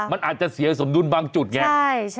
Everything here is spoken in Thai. มันอาจจะเสียสมดุลบางจุดไง